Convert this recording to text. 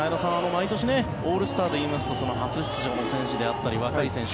毎年、オールスターで言いますと初出場の選手だったり若い選手